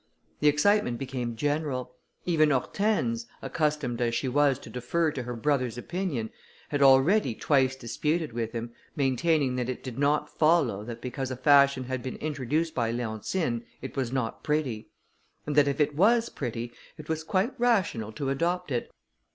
The excitement became general: even Hortense, accustomed as she was to defer to her brother's opinion, had already twice disputed with him, maintaining that it did not follow, that because a fashion had been introduced by Leontine, it was not pretty; and that if it was pretty, it was quite rational to adopt it.